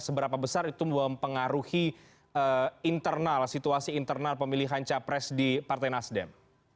seberapa besar itu mempengaruhi internal situasi internal pemilihan capres di partai nasdem